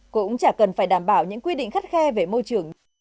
cũng chả cần phải đảm bảo những quy định khắt khe về môi trường